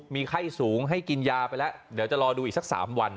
มีไข้สูงให้กินยาไปแล้วเดี๋ยวจะรอดูอีกสัก๓วัน